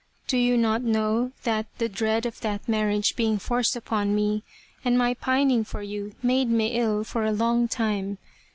Do you not know that the dread of that marriage being forced upon me and my pining for you made me ill for a long time.